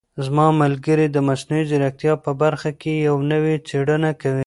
زما ملګری د مصنوعي ځیرکتیا په برخه کې یوه نوې څېړنه کوي.